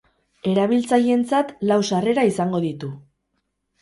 Erabiltzaileentzat lau sarrera izango ditu.